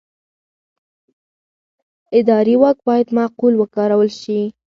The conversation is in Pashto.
اداري واک باید معقول وکارول شي.